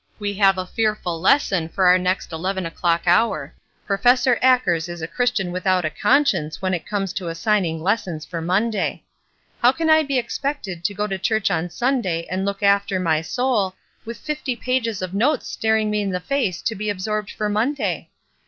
"We have a fearful lesson for our next eleven o'clock hour. Professor Akers is a Christian without a conscience when it comes to assigning lessons for Monday. How can I be expected to go to church on Sunday and look after my soul, with fifty pages of notes staring me in the face to be absorbed for Monday?